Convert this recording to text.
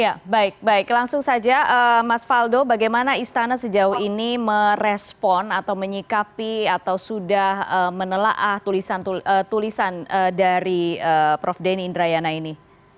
ya baik baik langsung saja mas faldo bagaimana istana sejauh ini merespon atau menyikapi atau sudah menelaah tulisan dari prof denny indrayana ini